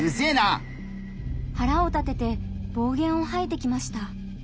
はらを立てて暴言をはいてきました。